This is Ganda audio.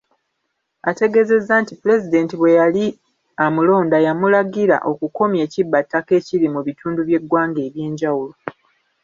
Ategeezezza nti Pulezidenti bwe yali amulonda yamulagira okukomya ekibbattaka ekiri mu bitundu by'eggwanga eby'enjawulo.